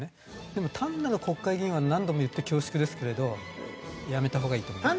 でも単なる国会議員は何度も言って恐縮ですけれどやめたほうがいいと思います。